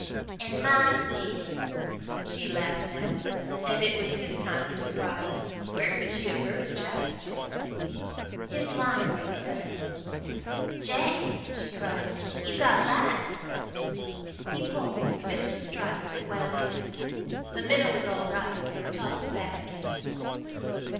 "An' mine's Jill." She laughed now, and it was his time for surprise where could she have heard of Jack and Jill? His line rang suddenly. "Jack," she cried, "you got a bite!" He pulled, missed the strike, and wound in. The minnow was all right, so he tossed it back again.